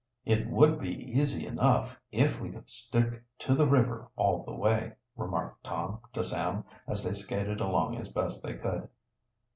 "It would be easy enough, if we could stick to the river all the way," remarked. Tom to Sam, as they skated along as best they could.